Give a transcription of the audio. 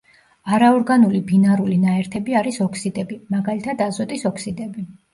არაორგანული ბინარული ნაერთები არის ოქსიდები, მაგალითად, აზოტის ოქსიდები.